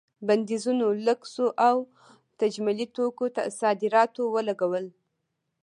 بندیزونو لوکسو او تجملي توکو صادراتو ولګول.